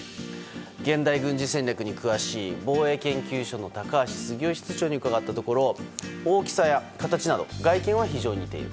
現代軍事戦略に詳しい防衛研究所の高橋杉雄室長に伺ったところ大きさや形など外見は非常に似ている。